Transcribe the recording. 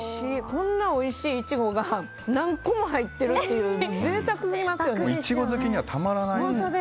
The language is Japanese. こんなおいしいイチゴが何個も入ってるってイチゴ好きにはたまらない。